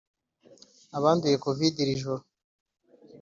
Abanduye covid irijoro